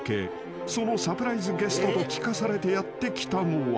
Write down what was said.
［そのサプライズゲストと聞かされてやって来たのは］